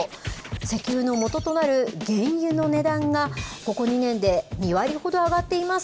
石油の元となる原油の値段がここ２年で２割ほど上がっています。